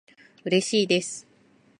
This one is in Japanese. うれしいです